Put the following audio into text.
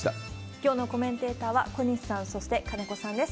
きょうのコメンテーターは小西さん、そして金子さんです。